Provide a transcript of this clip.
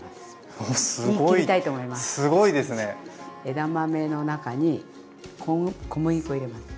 枝豆の中に小麦粉入れます。